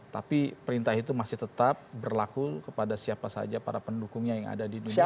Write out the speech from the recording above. tapi perintah itu masih tetap berlaku kepada siapa saja para pendukungnya yang ada di indonesia